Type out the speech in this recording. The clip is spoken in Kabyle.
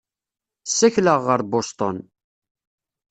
Ssakleɣ ɣer Bustun.